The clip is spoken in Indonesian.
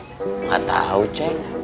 tidak tahu cik